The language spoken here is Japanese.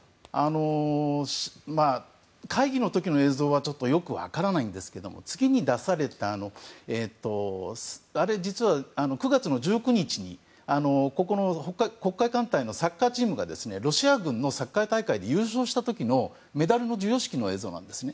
会議の時の映像はよく分からないんですが次に出された９月１９日に、黒海艦隊のサッカーチームがロシア軍のサッカー大会で優勝した時のメダルの授与式の映像なんです。